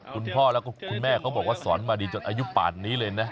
คุณพ่อแล้วก็คุณแม่เขาบอกว่าสอนมาดีจนอายุป่านนี้เลยนะ